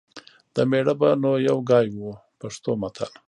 د مېړه به نو یو ګای و . پښتو متل